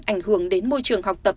ảnh hưởng đến môi trường học tập